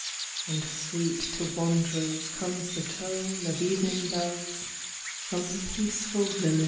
And sweet to wand'rers comes the tone of Evening bells from the peaceful village.